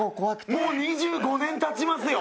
もう２５年経ちますよ？